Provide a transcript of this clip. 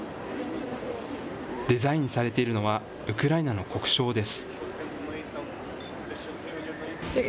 デザインされているのは、ウクライナの国章です。